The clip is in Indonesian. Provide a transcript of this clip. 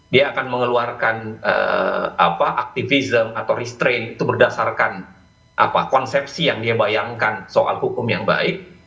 dia akan mengeluarkan aktivism atau restrain itu berdasarkan konsepsi yang dia bayangkan soal hukum yang baik